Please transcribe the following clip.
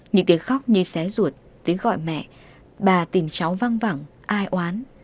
những tiếng khóc như xé ruột tiếng gọi mẹ bà tìm cháu văng vẳng ai oán